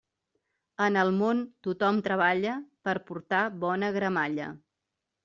En el món tothom treballa per portar bona gramalla.